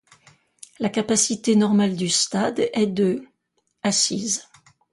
La capacité normale du stade est de assises.